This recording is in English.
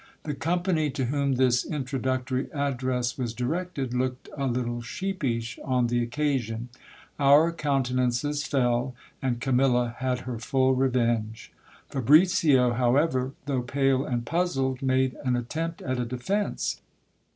The company to whom this introductory address was directed, looked a little sheepish on the occasion. Our countenances fell ; and Camilla had her full revenge. Fabricio, however, though pale and puzzled, made an attempt at a defence.